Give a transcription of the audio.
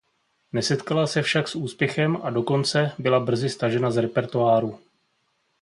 Nesetkala se však s úspěchem a dokonce byla brzy stažena z repertoáru.